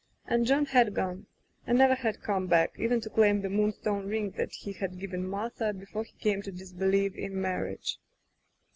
And John had gone, and never had come back, even to claim the moonstone ring that he had given Martha before he came to disbelieve in marriage.